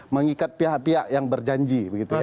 mengikat pihak pihak yang berjanji